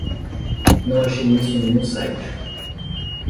Não achei isso em nenhum site